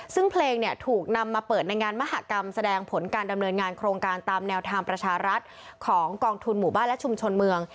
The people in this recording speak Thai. ซึ่งเพลงเนี่ยถูกนำมาเปิดในงานมหากรรมแสดงผลการดำเนินงานโครงการตามแนวทางประชารัฐของกองทุนหมู่บ้านและชุมชนเมือง